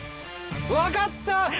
わかった！